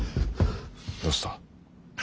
どうした。